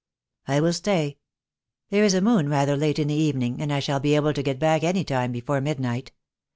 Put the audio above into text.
"I will stay. There is a moon rather late in the evening, and I shall be able to get back any time before midnight.